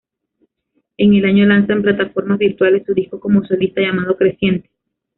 En el año lanza en plataformas virtuales su disco como solista llamado "Creciente".